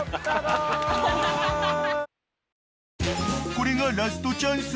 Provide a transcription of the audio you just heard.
［これがラストチャンス！